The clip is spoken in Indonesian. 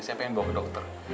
saya pengen bawa ke dokter